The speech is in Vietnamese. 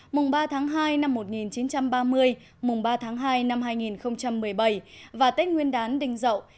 mùng ba tháng hai năm một nghìn chín trăm ba mươi mùng ba tháng hai năm hai nghìn một mươi bảy và tết nguyên đán đình dậu